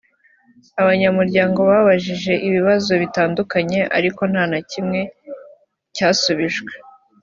abanyamuryango babajije ibibazo bitandukanye ariko nta na kimwe cyasubijwe